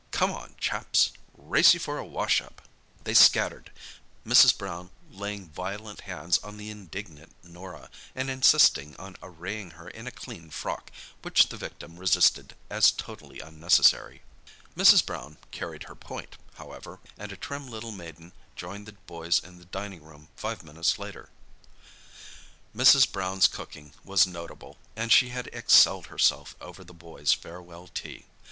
"Come on, chaps—race you for a wash up!" They scattered, Mrs. Brown laying violent hands on the indignant Norah, and insisting on arraying her in a clean frock, which the victim resisted, as totally unnecessary. Mrs. Brown carried her point, however, and a trim little maiden joined the boys in the dining room five minutes later. Mrs. Brown's cooking was notable, and she had excelled herself over the boys' farewell tea.